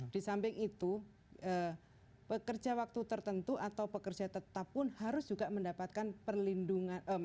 di samping itu pekerja waktu tertentu atau pekerja tetap pun harus juga mendapatkan perlindungan